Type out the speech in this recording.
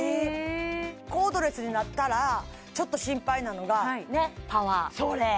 コードレスになったらちょっと心配なのがねっパワーそれー！